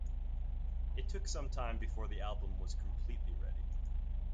It took some time before the album was completely ready.